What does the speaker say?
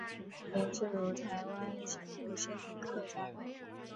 林志儒台湾新竹县客家人。